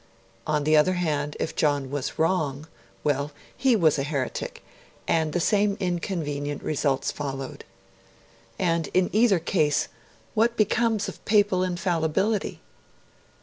On the other hand, if John was wrong well, he was a heretic; and the same inconvenient results followed. And, in either case, what becomes of Papal Infallibility?